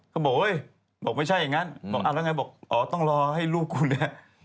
เค้าบอกเอ้ยบอกไม่ใช่อย่างงั้นก็อ้าวไปไงต้องรอให้ลูกกูเนี่ย